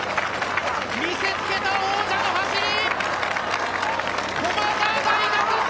見せつけた王者の走り！